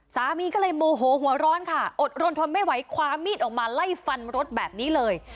สามีก็เลยโมโหหัวร้อนค่ะอดรนทนไม่ไหวคว้ามีดออกมาไล่ฟันรถแบบนี้เลย